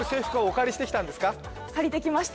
借りてきました